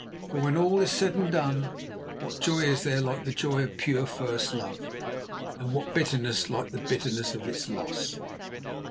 For when all is said and done, what joy is there like the joy of pure, first love, and what bitterness like the bitterness of its loss?